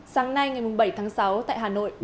sáng nay ngày bảy tháng sáu tại hà nội